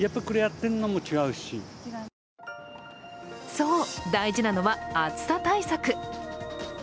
そう、大事なのは暑さ対策。